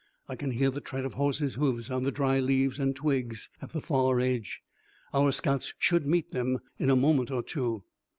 I can hear the tread of horses' hoofs on the dry leaves and twigs at the far edge. Our scouts should meet them in a moment or two."